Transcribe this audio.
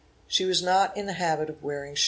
She was not in the habit of wearing shoes.